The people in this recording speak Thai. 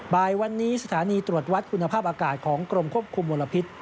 บ่ายวันนี้สถานีตรวจวัดคุณภาพอากาศของกรมควบคุมมลพิษ